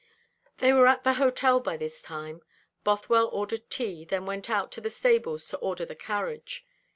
They were at the hotel by this time. Bothwell ordered tea, then went out to the stables to order the carriage.